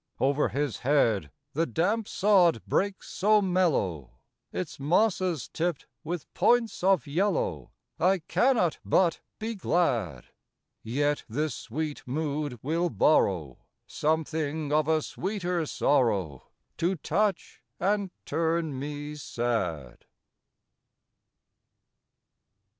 Over his head The damp sod breaks so mellow, Its mosses tipped with points of yellow, I cannot but be glad; Yet this sweet mood will borrow Something of a sweeter sorrow, To touch and turn me sad.